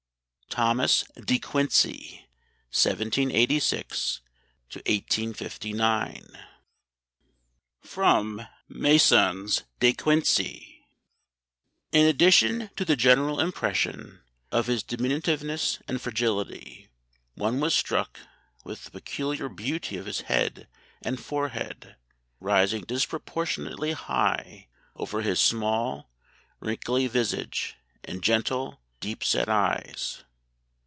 THOMAS DE QUINCEY 1786 1859 [Sidenote: Masson's de Quincey.] "In addition to the general impression of his diminutiveness and fragility, one was struck with the peculiar beauty of his head and forehead, rising disproportionately high over his small, wrinkly visage and gentle, deep set eyes.